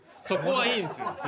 そこはいいんですよ